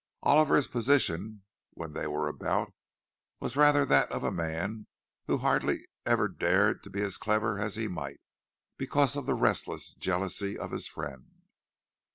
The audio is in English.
Oliver's position, when they were about, was rather that of the man who hardly ever dared to be as clever as he might, because of the restless jealousy of his friend.